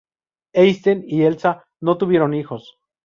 Einstein y Elsa no tuvieron hijos.